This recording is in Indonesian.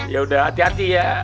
yaudah hati hati ya